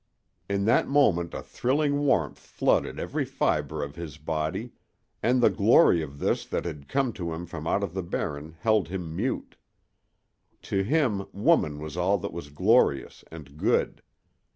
In that moment a thrilling warmth flooded every fiber of his body, and the glory of this that had come to him from out of the Barren held him mute. To him woman was all that was glorious and good.